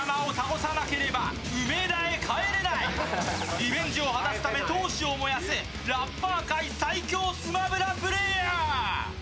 リベンジを果たすため闘志を燃やすラッパー界最強「スマブラ」プレーヤー。